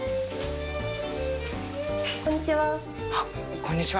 こんにちは。